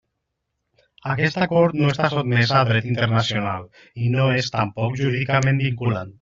Aquest acord no està sotmès a dret internacional i no és tampoc jurídicament vinculant.